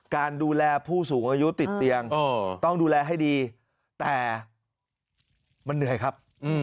การดูแลผู้สูงอายุติดเตียงต้องดูแลให้ดีแต่มันเหนื่อยครับ